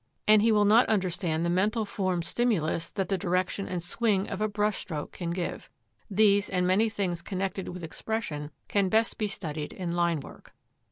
And he will not understand the mental form stimulus that the direction and swing of a brush stroke can give. These and many things connected with expression can best be studied in line work.